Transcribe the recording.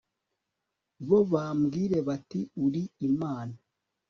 bo bambwire bati uri Imana